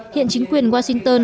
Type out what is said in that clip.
hiện chính quyền washington